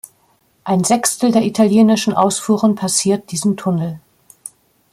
Ein Sechstel der italienischen Ausfuhren passiert diesen Tunnel.